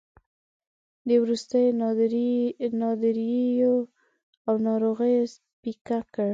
د وروستیو ناندریو او ناروغیو پېکه کړ.